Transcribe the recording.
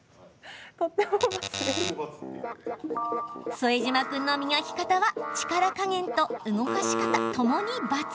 副島君の磨き方は力加減と動かし方ともにバツ。